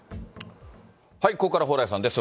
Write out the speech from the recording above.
ここからは蓬莱さんです。